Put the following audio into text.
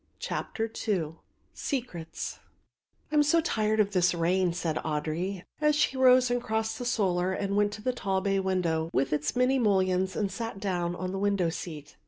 CHAPTER II SECRETS "I am so tired of this rain," said Audry, as she rose and crossed the solar and went to the tall bay window with its many mullions and sat down on the window seat.